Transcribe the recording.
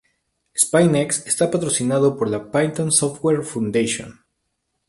Sphinx está patrocinado por la Python Software Foundation.